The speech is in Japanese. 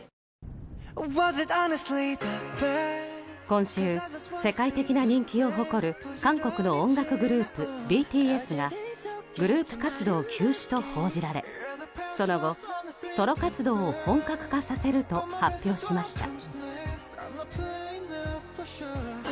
今週、世界的な人気を誇る韓国の音楽グループ、ＢＴＳがグループ活動休止と報じられその後、ソロ活動を本格化させると発表しました。